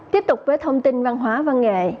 tiếp tục với thông tin văn hóa văn nghệ